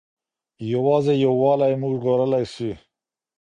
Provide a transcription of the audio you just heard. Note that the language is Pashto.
یوازې یووالی موږ ژغورلی سي.